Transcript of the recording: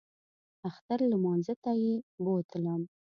اختر لمانځه ته یې بوتلم.